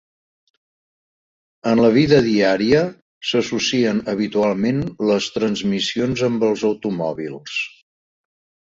En la vida diària, s'associen habitualment les transmissions amb els automòbils.